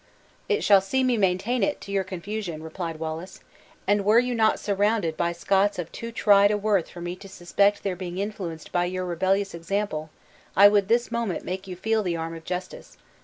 "It shall see me maintain it, to your confusion," replied Wallace, "and were you not surrounded by Scots of too tried a worth for me to suspect their being influenced by your rebellious example, I would this moment make you feel the arm of justice.